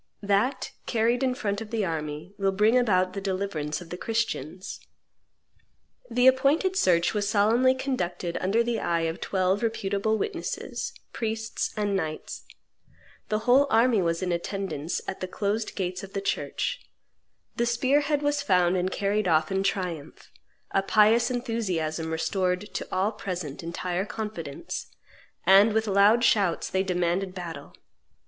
That, carried in front of the army, will bring about the deliverance of the Christians." The appointed search was solemnly conducted under the eye of twelve reputable witnesses, priests and knights; the whole army was in attendance at the closed gates of the church; the spear head was found and carried off in triumph; a pious enthusiasm restored to all present entire confidence; and with loud shouts they demanded battle.